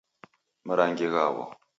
Marangi ghawo